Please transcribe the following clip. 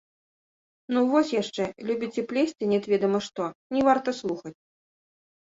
— Ну, вось яшчэ, любіце плесці нет ведама што, — не варта слухаць.